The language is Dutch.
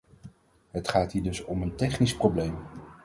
Het gaat hier dus om een technisch probleem.